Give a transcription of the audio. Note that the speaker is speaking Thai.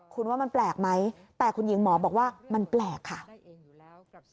คุณว่ามันแปลกไหมแต่คุณหญิงหมอบอกว่ามันแปลกค่ะ